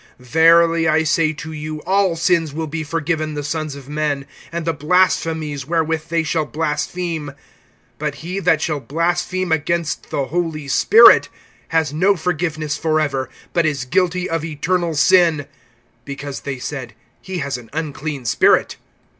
(28)Verily I say to you, all sins will be forgiven the sons of men, and the blasphemies wherewith they shall blaspheme. (29)But he that shall blaspheme against the Holy Spirit has no forgiveness forever, but is guilty of eternal sin; (30)because they said: He has an unclean spirit.